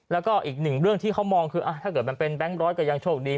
แล้วก็อีกหนึ่งเรื่องที่เขามองคือถ้าเกิดมันเป็นแบงค์ร้อยก็ยังโชคดี